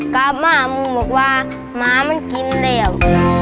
กลับมามึงบอกว่าหมามันกินแล้ว